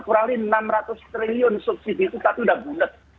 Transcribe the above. kurang lebih enam ratus triliun subsidi itu satu sudah bulet